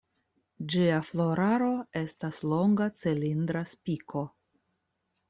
Ĝia floraro estas longa cilindra spiko.